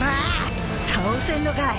倒せんのかい！？